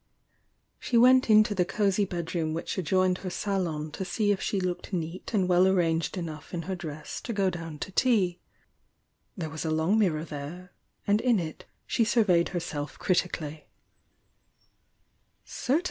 She went into the cosy bedroom which adjoined her salon to see if she looked neat and v. ell arranged enough in her dress to go down to tea, — there was a long mirror there, and in it she surveyed herself critically.